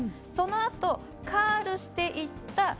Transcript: そのあと、カールしていった